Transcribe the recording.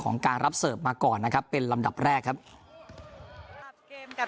การรับเสิร์ฟมาก่อนนะครับเป็นลำดับแรกครับเกมกับ